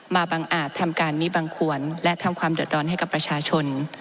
บังอาจทำการมีบังควรและทำความเดือดร้อนให้กับประชาชน